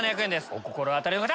お心当たりの方！